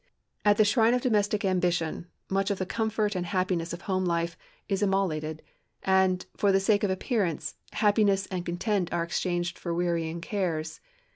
At the shrine of domestic ambition much of the comfort and happiness of home life is immolated, and, for the sake of appearance, happiness and content are exchanged for wearying cares.